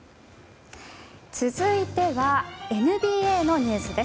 続いてはＮＢＡのニュースです。